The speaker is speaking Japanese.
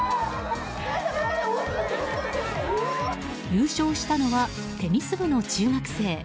優勝したのはテニス部の中学生。